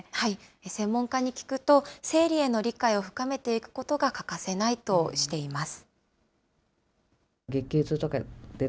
専門家に聞くと、生理への理解を深めていくことが欠かせないとしています。